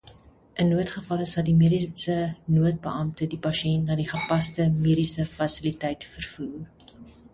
In noodgevalle sal die mediese noodbeampte die pasiënt na die gepaste mediese fasiliteit vervoer.